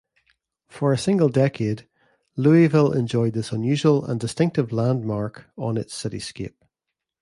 For a single decade Louisville enjoyed this unusual and distinctive landmark on its cityscape.